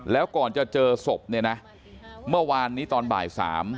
แล้วก่อนจะเจอศพเนี่ยนะเมื่อวานนี้ตอนบ่าย๓